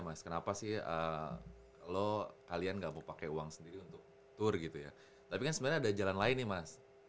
mas kenapa sih lo kalian nggak mau pakai uang sendiri untuk tour gitu ya tapi kan sebenarnya ada jalan lain nih mas